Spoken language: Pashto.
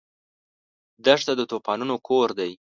دښته د طوفانونو کور دی.